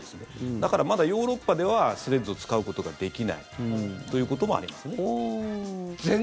だから、まだヨーロッパではスレッズを使うことができないということもありますね。